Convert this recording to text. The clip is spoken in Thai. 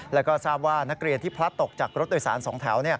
แล้วก็ทราบว่านักเรียนที่พลัดตกจากรถโดยสาร๒แถว